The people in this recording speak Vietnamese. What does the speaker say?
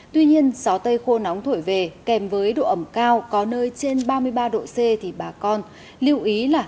tuy nhiên gió tây khô nóng thổi về kèm với độ ẩm cao có nơi trên ba mươi ba độ c thì bà con lưu ý là